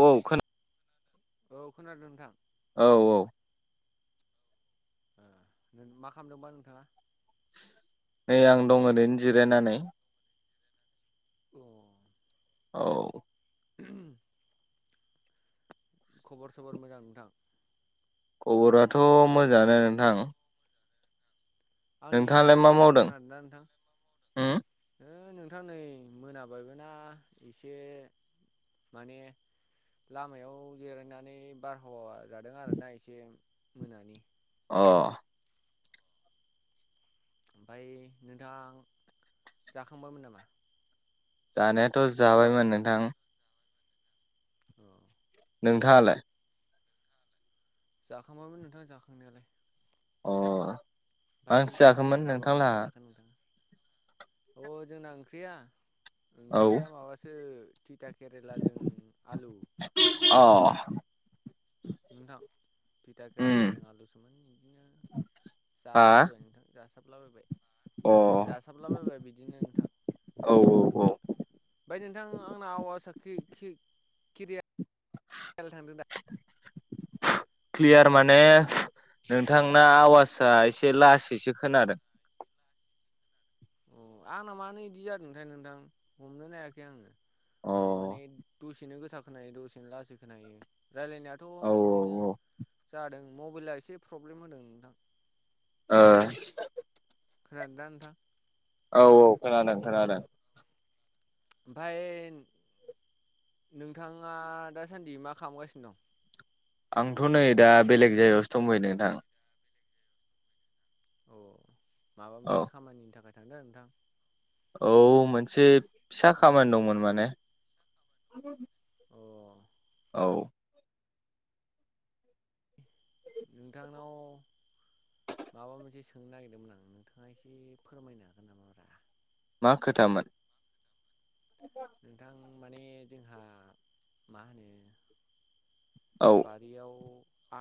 औ खोन औ खोनादों नोंथां? औ औ। मा खालामदोंबा नोंथाङा? नै आं दं ओरैनो जिरायनानै। [inaudible] औ [inaudible] खबर सबर मोजां नोंथां? खबराथ' मोजाङानो नोंथां। आंनिया नोंथाङालाय मा क्लियार मावदों खोनादों नोंथां हो उम नोंथां नोंथां नै मोनाबायगोना एसे माने लामायाव जिरायनानै बारहावा जादों आरोना एसे मोनानि अ ओमफ्राय नोंथां जाखांबायमोन नामा जानायाथ' जाबायमोन नोंथां औ नोंथाङालाय जाखांबामोन नोंथाङा जाखांनायालाय अ मा ओमफ्राय ओंख्रि जाखोमोन ओंख्रिफोराबो मा मा नोंथांलाहा जागोन नोंथाङा अ जोंना ओंख्रिया ओंख्रिया औ माबासो फिथा केरेलाजों आलु अ नोंथां फिथा उम केरेलाजों आलुसोमोन बिदिनो हा जालाबायबाय नोंथां जासाबलाबायबाय अ औ जासाबलाबोबाय बिदिनो नोंथां औ औ फ्राय नोंथां आंना आवा साखि केरियार थांदों दा क्लियार माने हेलौ नोंथां नोंथांना आवाजआ एसे लासैसो खोनादों अ आंना मानो बिदि जादोंथाय नोंथां हमनो नायाखै अ आङो माने औ दसेनो गोस खोनायो दसेनो लासै खोनायो रायलायनायाथ' औ बिदिनो ओ जादों मबाइला एसे प्रब्लेम होदों नोंथां ए खोनादोंना नोंथां औ औ खोनादों खोनादों ओफफ्राय नोंथाङा दासान्दि मा खालामगासिनो दं आंथ' नै दा बेलेग जायगायावसो दंबाययो नोंथां औ माबा औ मोनसे खामानिनि थाखाय थांदों नोंथां औ मोनसे फिसा हेलौ खामानि दंमोन माने अ औ नोंथांनाव माबा मोनसे सोंनो नागिरदोंमोन आं नोंथाङा एसे फोरमायनो हागोन नामा ब्रा मा खोथामोन नोंथां माने जोंहा मा होनो औ बारियाव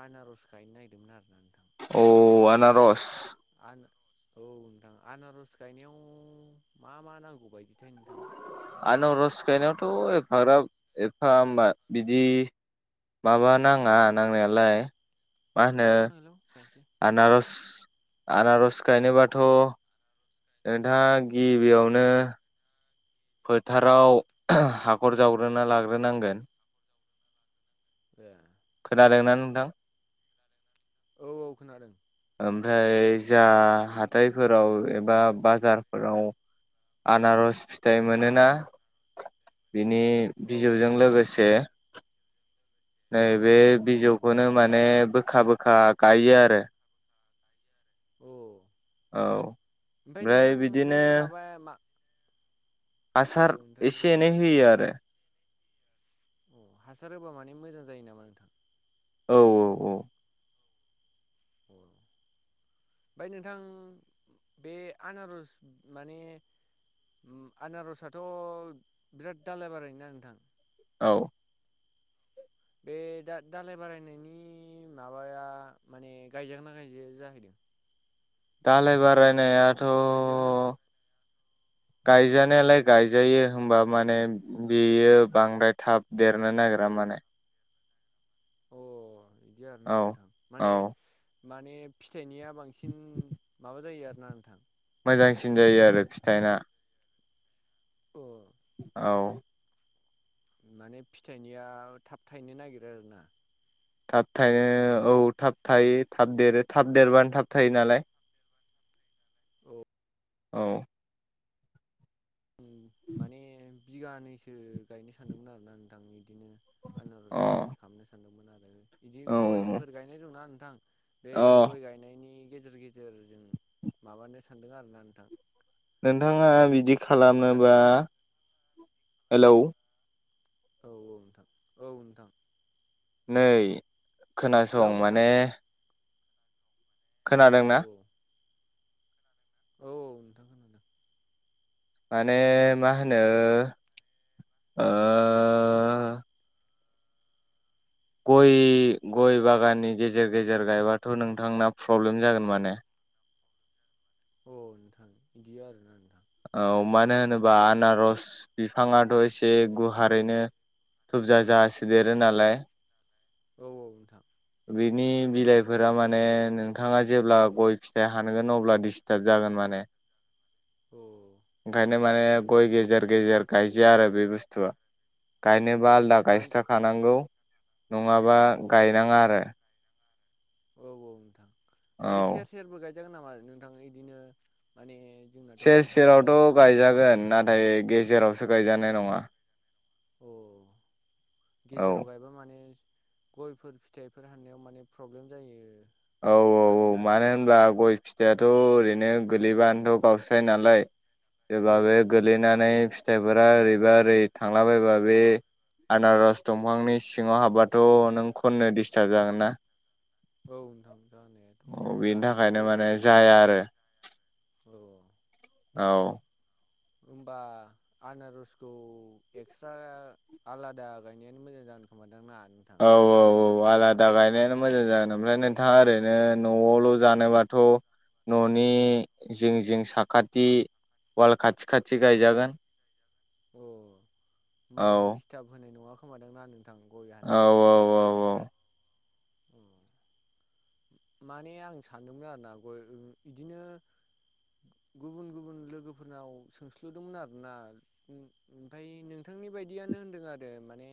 आनारस गायनो नागिरदोंमोन आरो ना अ आनारस औ आरोना नोंथां आनारस गायनायाव मा मा नांगौ बायदि आनारस गायना थ' एफाग्राब एफा होमबा बिदि माबा नाङा नांनायालाय मा होन हेलौ नोंथां हेलौ खोनायासै आनारस आनारस गायनोबाथ' नोंथाङा गिबियावनो फोथाराव हाखर जावग्रोना लाग्रोनांगोन ए खोनादोंना नोंथां औ औ खोनादों ओमफ्राय जा हाथायफोराव एबा बाजारफोराव आनारस फिथाइ मोनोना बिनि औ बिजौजों नोंथां लोगोसे नै बे औ नोंथां बिजौखौनो माने बोखा बोखा गायो आरो औ औ ओमफ्राय नोंथां बे बिदिनो माबा मा औ आसार नोंथां देलाय एसे एनाय बुंलाय होयो आरो अ हासार होबा माने मोजां जायो नामा औ औ औ अ ओमफ्राय नोंथां बे आनारज माने आनारसथ' बिराद दाालाय बारायोना नोंथां औ बे दा दालाय बारायनायनि माबाया माने गायजागनाा गायजाया जाहैदों दालाय बारायनायाथ' गायजागोना गायजानायालाय गायजायो हबा माने बेयो बांद्राय थाब देरनानै नायग्रा माने अ बिदि आरोोना औ नोंथां औ माने माने फिथाइनिया बांसिन माबा जायो आरोना नोंथां मोजांसिन जायो आरो फिथाइना अ औ माने फिथाइनिया थाब थायनो नागिरो आरोना थाब थायो औ थाब थायो थाब देरो थाब देरबानो थाब थायो नालाय औ माने बिगानैसो गायनो सानदोंमोन आरोना नोंथां बिदिनो आनारस अ बागान खालामनो सानदोंमोन आं बिदि औ गयफोर गायनाय दंना नोंथां बे अ गय गायनायनि गेजेर गेजेर जों माबानो सानदों आरोना नोंथां नोंथाङा बिदि खालामोबा खोनादोंना नोंथां हेलौ औ औ नोंथां औ नोंथां नै हेलौ खोनासं नोंथां माने खोनादों औ ना? औ नोंथां माने मा होनो ओ गय गय बागाननि गेजेर गेजेर गायबाथ' नोंथांना प्रब्लेम जागोन माने अ नोंथां बिदि आरोना औ मानो होनोबा आनारस बिफाङाथ' एसे गुहारैनो थुबजा जासो देरो नालाय औ औ नोंथां बिनि बिलाइफोरा माने नोंथाङा जेब्ला गय फिथाइ हानगोन अब्ला डिस्टार्ब जागोन माने [inaudible] औ ओंखायनो माने गय गेजेर गेजेर गायजाया आरो बे बुस्थुआ औ गायनोबा आलदा मानि गायसथाखानांगौ नङाबा अ गायनाङा आरो औ औ नोंथां ओमफ्राय सेर औ सेरबो गायजागोन नामा नोंथां बिदिनो माने जोंनाथ' सेर हाया सेरावथ' गायजागोन नाथाय गेजेरावसो गायजानाय नङा अ औ गेजेराव गायबा माने गयफोर फिथाइफोर हाननायाव माने प्रब्लेम जायो औ औ औ आरोना मानो नोंथां होनब्ला गय फिथ फिथाइआाथ' ओरैनो गोगलैबानोथ' गावस्राय नालाय औ जेब्ला बे नोंथां गोलैनानै फिथाइफोरा ओरैबा ओरै थांलाबायबा बे आनारस दंफांनि सिङाव हाबबाथ नों खननो डिसटारब जागोन ना औ नोंथां जानायाथ' बेनि जानो थाखायनो हागौ माने जाया आरो औ औ होमबा आनारसखौ एक्सट्रा आलादा गायनायानो मोजां गोन खोमादांना? औ आलादा गायनायानो मोजां जागोन ओमफ्राय नोंथाङा ओरैनो न'आवल' जानोबाथ'। न'नि जिं जिं साखाथि वाल खाथि खाथि गायजागोन। अ औ होमबाना दिस्टाब होनाय नङा खोमादां ना गोथां गय औ औ हाननायफोराव औ औ माने आं सानदोंमोन आरोना बिदिनो गुबुन गुबुन लोगोफोरनाव सोंस्ल'दोंमोन आरोना ओमफ्राय नोंथांनि बेबायदियानो होनदों आरो माने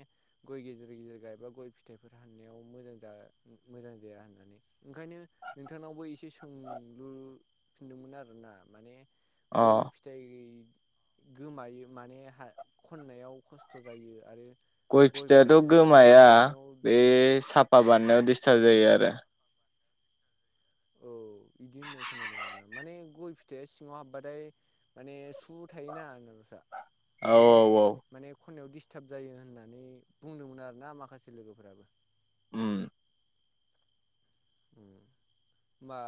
गय गेजेर गेजेर गायबा गय फिथाइफोर हाननायाव मोजां जा मोजां जाया होननानै। ओंखायनो नोंथांनावबो एसे सोंलुफिनदोंमोन आरोना माने अ गय फिथाइ गोमायो माने हा खननायाव खस्थ' जायो आरो गय गयफोर फिथाइआथ' साफा गोमाया खालामनायाव बे साफा बानायनायाव दिस्थार्ब जायो आरो। औ बिदि होननाय खोनादों आरोना माने गय फिथाइया सिङाव हाब्बाथाय माने सु थायोना। आदसा औ औ औ खनायाव दिस्टाब जायो होननानै बुंदोंमोन आरोना माखासे लोगोफोराबो। उम होम होमबा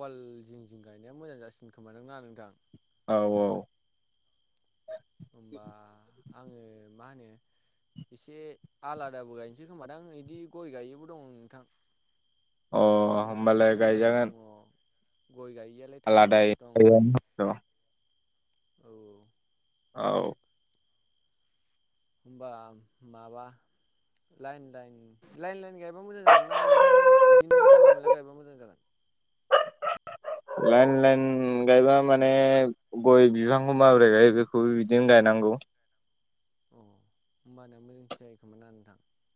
वाल जिं जिं गायनाया मोजां जासिगोन खोमाना नोंथां औ औ होमबा आङो मा होनो एसे आलादाबो गायनोसै खोमादां बिदि गय गायैबो दं नोंथां। अ बिदिनो थाम होमबालाय बिगासो गायजागोन। दङ गय गाययैयालाय थाम आलादायै बिगासो दं ओमफ्राय औ औ औ होमबा माबा लाइन लाइन लाइन लाइन गायबा मोजां जागोन ना नोंथां बिदिनो जानला मोनला गायबा मोजां जागोन? [inaudible] लाइन लाइन गायबा माने गय बिफांखौ माबोरै गायो बेखौबो बिदिनो गायनां औ औ [unintelligible]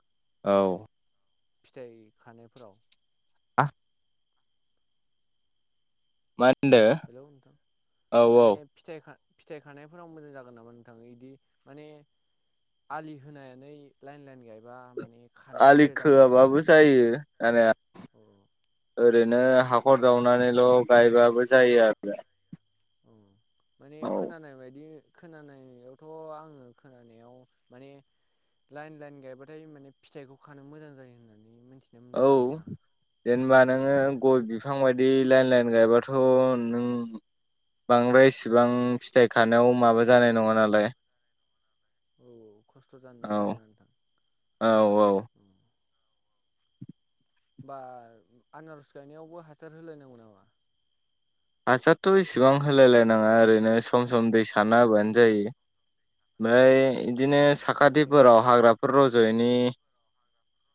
औ फिथाइ खानायफोराव आ मा होनदो हेलौ नोंथां औ औ माने फिथाइ खा फिथाइ खानायफोराव मोजां जागोन नामा नोंथां बिदि माने आलि होनानै लाइन लाइन गायबा माने खानाय आलि बरिया जागोन नामा नोंथां खोआबाबो जायो आनिया ओ अ ओरैनो हाखर जावनानैल' गायबाबो जायो आरो औ माने औ खोनानाय बायदि खोनानायावथ' आङो खोनानायाव माने लाइन लाइन गायबाथाय माने फिथाइखौ खानो मोजां जायो होननानै मिथिनो औ मोनदों आरोना जेनबा नोङो गय बिफां बायदि लाइन लाइन गायबाथ' नों बांद्राय इसिबां फिथाइ खानायाव माबा जानाय नङा नालाय औ खस्थ' जानाय औ नङा आरो ना नोंथां औ। बा आनारस गायनायावबो हासार होलायनांगौ नामा? हासारथ' इसेबां होलायलायनाङा ओरैनो सम सम दै साना होबानो जायो। ओमफ्राय बिदिनो अ माने साखाथिफोराव हाग्राफोराव रज यैनि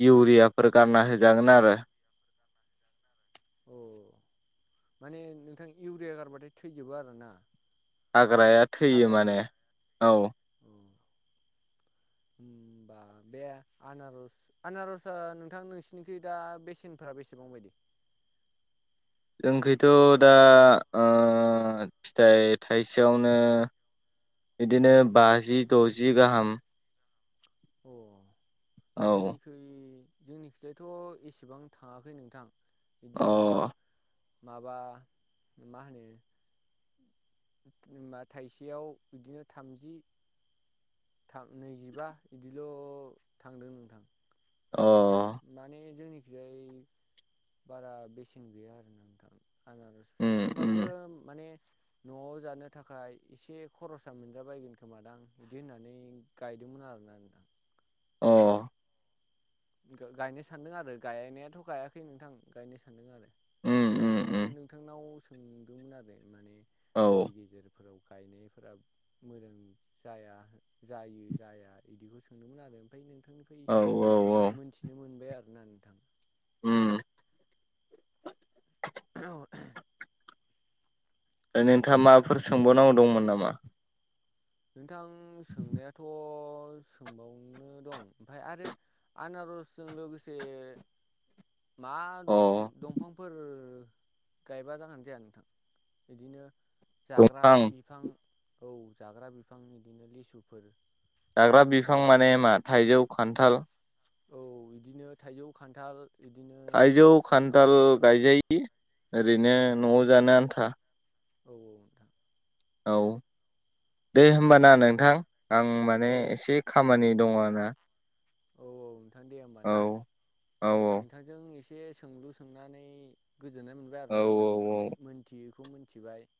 इउरियाफोर गारना होजागोन आरो। अ माने नोंथां इउरिया गारबाथाय थैजोबो आरोना हाग्राया थैयो हाग्राफ्रा माने औ। हबा बे आनारस आनारसआ नोंथां नोंसिनिखइ दा बेसेन बो फोरा बेसेबां बायदि जोंखैथ' दा ओ फिथाइ थाइसेयावनो बिदिनो बाजि द'जि गाहाम अ औ जोंनिखै जोंनि खिजायथ' एसेबां थाङाखै नोंथां अ बिदिनो माबा मा होनो बा थाइसेयाव बिदिनो थामजि थां नैजिबा बिदिल' थांदों नोंथां। अ माने जोंनिखिजाय बारा बेसेन गैया आरो ना नोंथां। आं उम सथिया उम होमबाबो माने न'आव जानो थाखाय एसे खरसा मोनजाबायगोन खोमादां बिदि होननानै गायदोंमोन। आरोना नोंथां। अ गायनो सान्दों आरो गायनायाथ' गायाखै नोंथां गायनो सान्दों आरो उम उम ओंखायनो उम नोंथांनाव सोंदोंमोन आरो माने औ गय गेजेरफोराव गायनायफोरा मोजां जाया जायो जाया बिदिखौ सोंदोंमोन आरो ओमफ्राय नों थांनिफ्राय औ एसे औ औ मोनथिनो मोनबाय आरोना नोंथां। उम। औ ओह [inaudible] ओ नोंथाङा माफोर सोंबावनांगौ दंमोन नामा? नोंथां सोंनायाथ' सोंबावनो दं। ओमफ्राय आरो आनारसजों लोगोसे मा अ दंफांफोर गायबा जागानो जाया नोंथां। बिदिनो जाग्रा दंफां बिफां औ जाग्रा बिफां बिदिनो लिसुफोर जाग्रा बिफां माबा माने? मा थाइजौ खान्थाल औ बिदिनो थाइजौ खान्थाल बिदिनो थाइजौ औ खान्थाल गायजायो ओरैनो न'आव जानो आन्था। औ औ नोंथां। औ दे ओमफ्राय होनबाना नोंथां आं माने औ एसे ना औ नोंथां दे होमबा ना औ औ नोंथांजों एसे सोंलु सोंनानै गोजोन्नाय मोनबाय औ आरोना नोंथां औ मोनथियैखौ मोनथिबाय।